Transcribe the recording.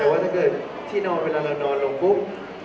แต่ว่าถ้าเกิดที่นอนเวลาเรานอนลงปุ๊บ